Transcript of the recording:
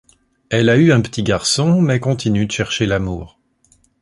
Elle a eu un petit garçon, mais continue de chercher l'amour.